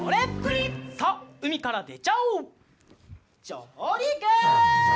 じょうりく！